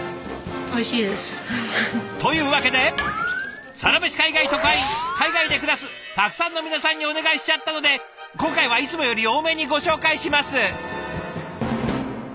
おいしいです。というわけで海外で暮らすたくさんの皆さんにお願いしちゃったので今回はいつもより多めにご紹介します！